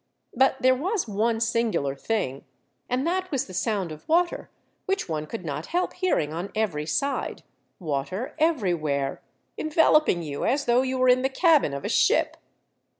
But there was one singular thing, and that was the sound of water which one could not help hearing on every side — water everywhere, enveloping you as though you were in the cabin of a ship.